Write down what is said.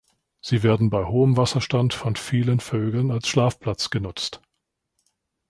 Sie werden bei hohem Wasserstand von vielen Vögeln als Schlafplatz genutzt.